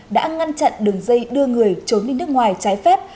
đã ngăn chặn đường dây đưa người trốn đi nước ngoài trái phép